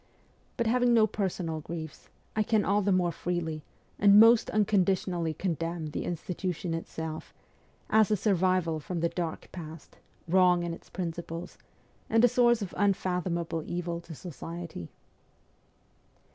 But having no personal griefs, I can all the mare freely, and most unconditionally condemn the institution itself, as a survival from the dark past, wrong in its principles, and a source of unfathomable evil to society.